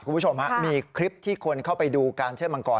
คุณผู้ชมฮะมีคลิปที่คนเข้าไปดูการเชิดมังกร